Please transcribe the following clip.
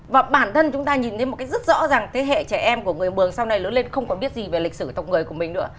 và bản thân chúng ta nhìn thấy một cách rất rõ ràng thế hệ trẻ em của người mường sau này lớn lên không còn biết gì về lịch sử tộc người của mình nữa